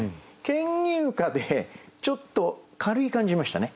「牽牛花」でちょっと軽い感じしましたね。